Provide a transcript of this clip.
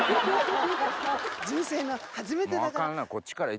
人生の初めてだから。